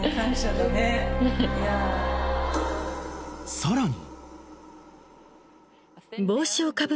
［さらに］